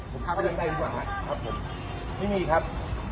ผมพาไปดูสินค้าดีกว่าครับครับผมนี่มีครับ